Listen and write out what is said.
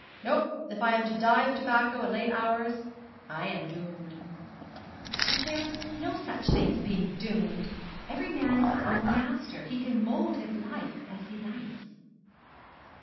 No, if I am to die of tobacco and late hours, I am doomed.' 'But there is no such thing as being doomed; every man is his own master he can mould his life as he likes.'